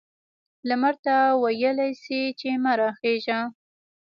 لمر ته ویلای شي چې مه را خیژه؟